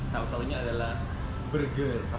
salah satunya adalah burger